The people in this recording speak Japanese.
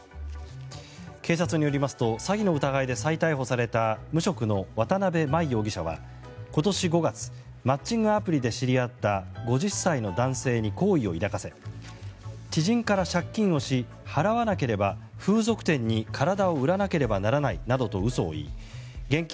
警察によりますと詐欺の疑いで再逮捕された無職の渡辺真衣容疑者は今年５月、マッチングアプリで知り合った５０歳の男性に好意を抱かせ知人から借金をし払わなければ風俗店に体を売らなければならないなどと嘘を言い現金